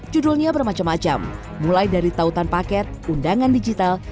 judulnya bermacam macam mulai dari tautan paket undangan digital